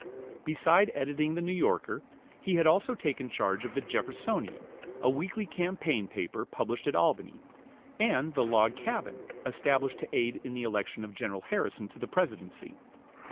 Beside editing the "New Yorker," he had also taken charge of the "Jeffersonian," a weekly campaign paper published at Albany, and the "Log Cabin," established to aid in the election of General Harrison to the Presidency.